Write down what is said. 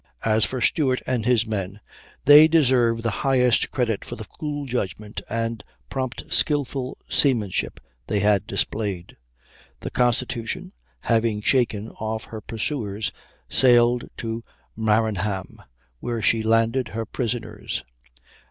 As for Stewart and his men, they deserve the highest credit for the cool judgment and prompt, skilful seamanship they had displayed. The Constitution, having shaken off her pursuers, sailed to Maranham, where she landed her prisoners.